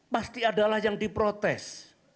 pasti adalah yang diprotes